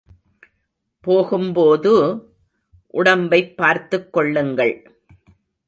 போகும்போது, உடம்பைப் பார்த்துக் கொள்ளுங்கள்.